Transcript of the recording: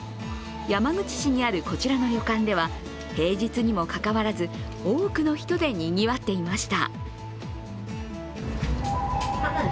山口市にある、こちらの旅館では平日にもかかわらず多くの人でにぎわっていました。